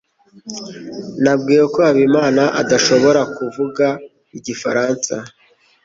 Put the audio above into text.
Nabwiwe ko Habimana adashobora kuvuga igifaransa.